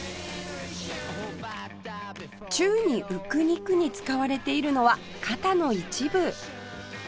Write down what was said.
宙に浮く肉に使われているのは肩の一部